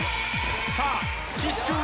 さあ岸君は？